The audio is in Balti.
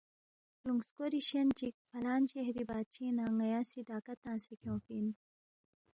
خلُونگ سکوری شین چِک فلان شہری بادشِنگ نہ ن٘یا سی ڈاکہ تنگسے کھیونگفی اِن